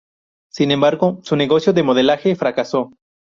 Sin embargo, su negocio de modelaje fracasó.